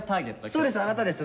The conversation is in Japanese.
そうです。